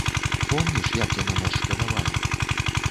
Помніш, як яна нас шкадавала?